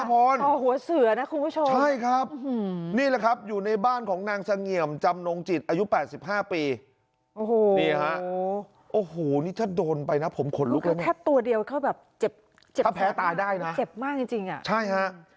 ๒๕ปีโอ้โหวันนี้ถ้าโดนไปนะผมขนลุกแล้วแทบตัวเดียวเข้าแบบเจ็บแทบแพ้ตายได้นะเจ็บมากจริงอ่ะใช่ฮะ